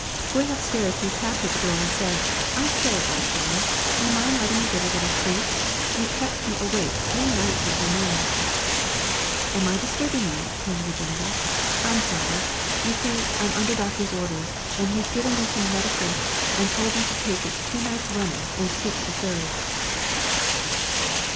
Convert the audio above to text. Going upstairs he tapped at the door and said, 'I say, old fellow, do you mind letting me get a little sleep? You've kept me awake three nights with your noise.' "'Am I disturbing you?' came the rejoinder. 'I'm so sorry. You see, I'm under doctor's orders, and he's given me some medicine and told me to take it two nights running and skip the third!'"